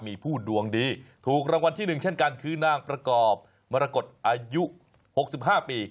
มีผู้ดวงดีถูกรางวัลที่๑เช่นกันคือนางประกอบมรกฏอายุ๖๕ปี